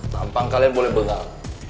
tampang kalian boleh bengal